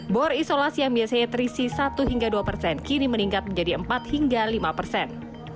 bor isolasi yang biasanya terisi satu hingga dua persen kini meningkat menjadi empat hingga lima persen